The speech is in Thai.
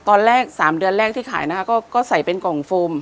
ตอนแรก๓เดือนแรกที่ขายนะคะก็ใส่เป็นกล่องโฟม